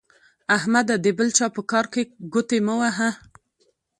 احمده د بل چا په کار کې ګوتې مه وهه.